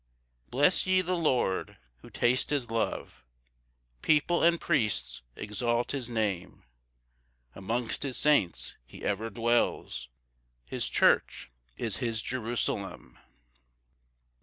6 Bless ye the Lord, who taste his love, People and priests exalt his Name: Amongst his saints he ever dwells; His church is his Jerusalem.